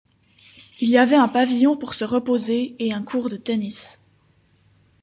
Il y avait un pavillon pour se reposer et un court de tennis.